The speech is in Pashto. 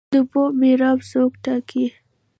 د اوبو میراب څوک ټاکي؟